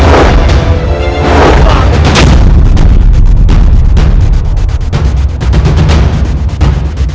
ayo cepet dulu ya